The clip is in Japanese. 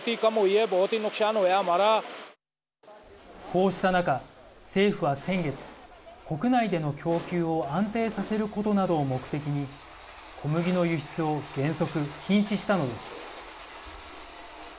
こうした中、政府は先月国内での供給を安定させることなどを目的に小麦の輸出を原則禁止したのです。